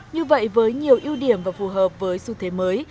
như vậy với nhiều ưu điểm và phù hợp với xu thế mới